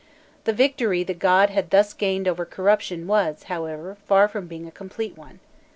The victory the god had thus gained over corruption was, however, far from being a complete one.